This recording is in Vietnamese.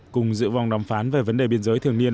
cùng dự vòng đàm phán về vấn đề biên giới thường niên